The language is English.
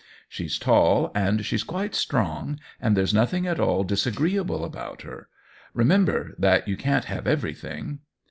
She's tall, and she's quite strong, and there's nothing at all disagreeable about her. Re member that you can't have everything."